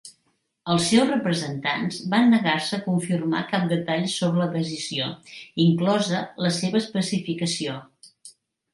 Els seus representants van negar-se a confirmar cap detall sobre la decisió, inclosa la seva especificació.